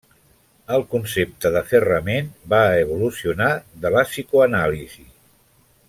El concepte d’aferrament va evolucionar de la Psicoanàlisi.